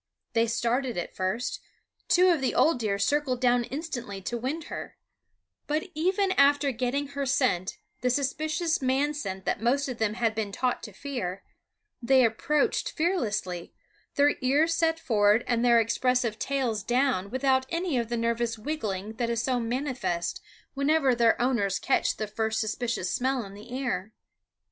They started at first; two of the old deer circled down instantly to wind her; but even after getting her scent, the suspicious man scent that most of them had been taught to fear, they approached fearlessly, their ears set forward, and their expressive tails down without any of the nervous wiggling that is so manifest whenever their owners catch the first suspicious smell in the air.